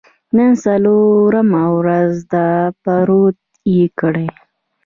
نن څلورمه ورځ ده، پروت یې کړی.